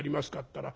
ったら